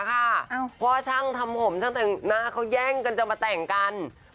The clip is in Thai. เพราะว่าช่างทำผมช่างแต่งหน้าเขาแย่งกันจะมาแต่งกัน